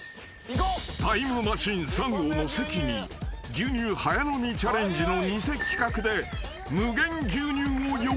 ［タイムマシーン３号の関に牛乳早飲みチャレンジの偽企画で無限牛乳を用意］